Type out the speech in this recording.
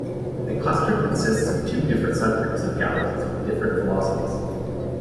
The cluster consists of two different sub-groups of galaxies with different velocities.